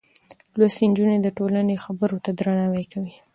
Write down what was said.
لوستې نجونې د ټولنې خبرو ته درناوی کوي.